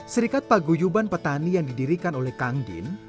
serikat paguyuban petani yang didirikan oleh kang din